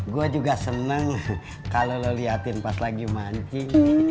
gue juga seneng kalau lo liatin pas lagi mancing